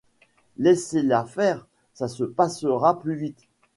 Laissez-la faire, ça se passera plus vite.